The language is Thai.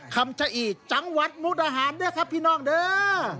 คำชะอีจังหวัดมุกดาหารด้วยครับพี่น้องเด้อ